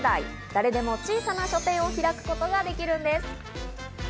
誰でも小さな書店を開くことができるんです。